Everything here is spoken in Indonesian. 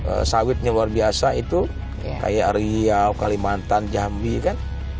karena sawitnya luar biasa itu kayak riau kalimantan jambi kan